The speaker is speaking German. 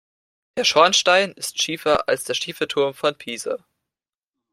Der Schornstein ist schiefer als der schiefe Turm von Pisa.